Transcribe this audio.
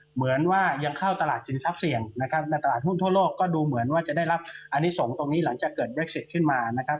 เหมือนว่ายังเข้าตลาดสินทรัพย์เสี่ยงนะครับในตลาดหุ้นทั่วโลกก็ดูเหมือนว่าจะได้รับอันนี้ส่งตรงนี้หลังจากเกิดเบคซิตขึ้นมานะครับ